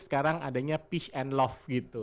sekarang adanya pish and loved gitu